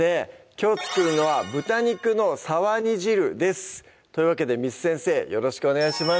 きょう作るのは「豚肉の沢煮汁」ですというわけで簾先生よろしくお願いします